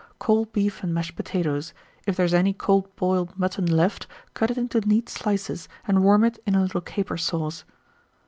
Cold beef and mashed potatoes: if there is any cold boiled mutton left, cut it into neat slices and warm it in a little caper sauce.